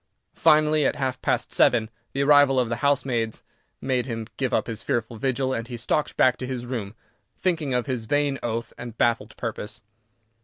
Finally, at half past seven, the arrival of the housemaids made him give up his fearful vigil, and he stalked back to his room, thinking of his vain oath and baffled purpose.